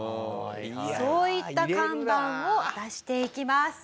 そういった看板を出していきます。